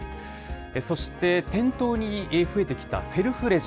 そして、店頭に増えてきたセルフレジ。